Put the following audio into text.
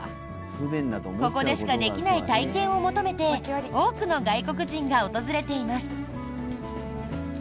ここでしかできない体験を求めて多くの外国人が訪れています。